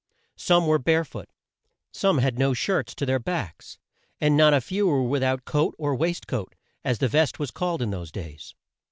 Some were bare foot, some had no shirts to their backs, and not a few were with out coat or waist coat, as the vest was called in those days.